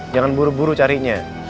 jangan buru buru carinya